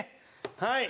はい。